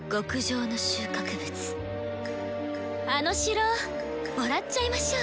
あの城もらっちゃいましょう。